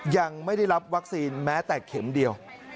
ยังไม่ได้รับวัคซีนแม้แต่เข็มเดียว